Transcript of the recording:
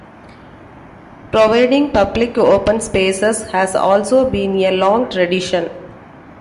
Providing public open spaces has also been a long tradition.